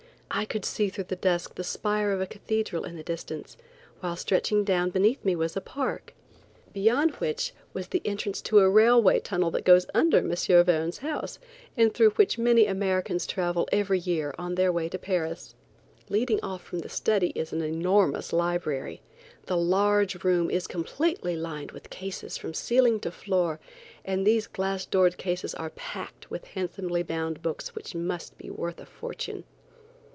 I could see through the dusk the spire of a cathedral in the distance, while stretching down beneath me was a park, beyond which I saw the entrance to a railway tunnel that goes under M. Verne's house, and through which many Americans travel every year, on their way to Paris. Leading off from the study, is an enormous library. The large room is completely lined with cases from ceiling to floor, and these glass doored cases are packed with handsomely bound books which must be worth a fortune.